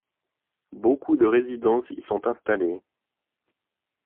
Beaucoup de résidences y sont installées.